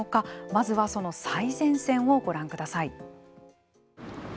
まずはその最前線をご覧ください。